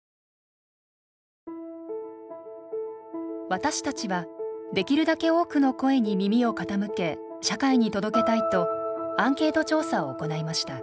私たちはできるだけ多くの声に耳を傾け社会に届けたいとアンケート調査を行いました。